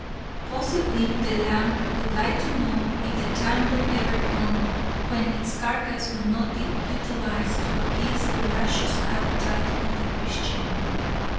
Possibly the lamb would like to know if the time will ever come when its carcass will not be utilized to appease the voracious appetite of the Christian.